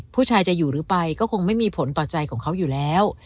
ผู้ชายจะอยู่หรือไปก็คงไม่มีผลต่อใจของเขาอยู่แล้ว